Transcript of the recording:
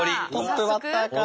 わっトップバッターか。